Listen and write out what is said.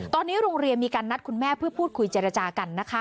ตอนนี้โรงเรียนมีการนัดคุณแม่เพื่อพูดคุยเจรจากันนะคะ